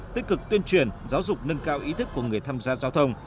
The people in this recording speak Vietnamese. tích cực tuyên truyền giáo dục nâng cao ý thức của người tham gia giao thông